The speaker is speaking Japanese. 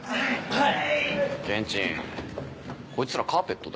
はい！